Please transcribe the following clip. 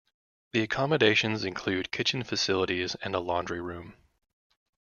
The accommodations include kitchen facilities and a laundry room.